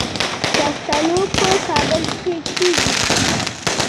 شفتالو په کابل کې کیږي